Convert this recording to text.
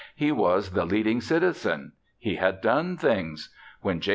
He was the leading citizen. He had done things. When J.